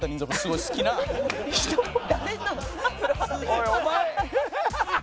おいお前。